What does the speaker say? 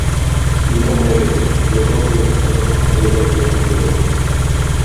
הוא לא אומר את זה - לא באותיות הקטנות ולא באותיות הגדולות